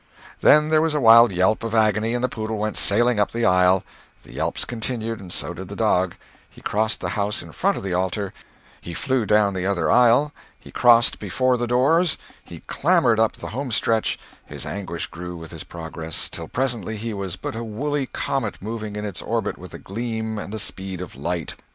Then there was a wild yelp of agony and the poodle went sailing up the aisle; the yelps continued, and so did the dog; he crossed the house in front of the altar; he flew down the other aisle; he crossed before the doors; he clamored up the home stretch; his anguish grew with his progress, till presently he was but a woolly comet moving in its orbit with the gleam and the speed of light.